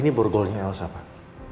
ini burgolnya elsa pak